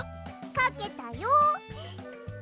かけたよ！